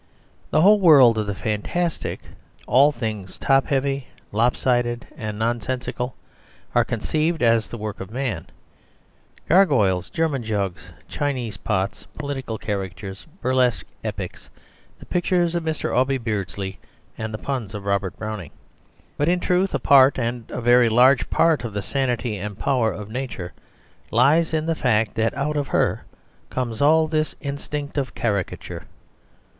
The whole world of the fantastic, all things top heavy, lop sided, and nonsensical are conceived as the work of man, gargoyles, German jugs, Chinese pots, political caricatures, burlesque epics, the pictures of Mr. Aubrey Beardsley and the puns of Robert Browning. But in truth a part, and a very large part, of the sanity and power of nature lies in the fact that out of her comes all this instinct of caricature.